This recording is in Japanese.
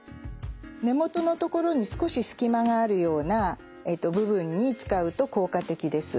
根元のところに少し隙間があるような部分に使うと効果的です。